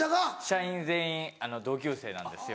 社員全員同級生なんですよ。